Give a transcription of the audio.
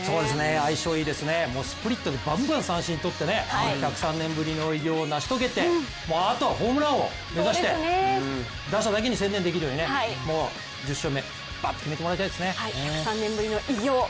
相性いいですね、スプリットでばんばん、三振とって１０３年ぶりの偉業を成し遂げて、あとはホームラン王目指して、打者だけに専念できるように、１０勝目、決めてもらいたいですね